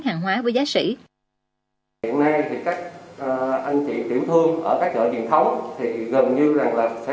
hàng hóa với giá sỉ hiện nay thì các anh chị tiểu thương ở các chợ truyền thống thì gần như rằng là